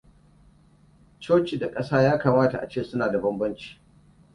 Coci da Ƙasa ya kamata ace suna da bambanci.